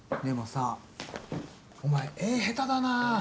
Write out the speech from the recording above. でもさお前絵下手だな。